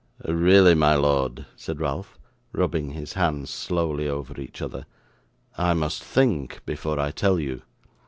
'Really, my lord,' said Ralph, rubbing his hands slowly over each other, 'I must think before I tell you.